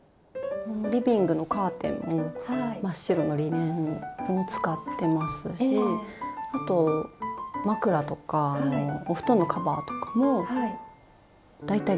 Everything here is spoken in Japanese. リビングのカーテンも真っ白のリネンを使ってますしあと枕とかお布団のカバーとかも大体リネンですね。